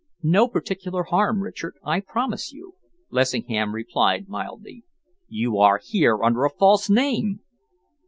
"No particular harm, Richard, I promise you," Lessingham replied mildly. "You are here under a false name!"